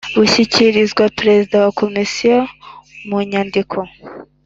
bushyikirizwa Perezida wa Komisiyo mu nyandiko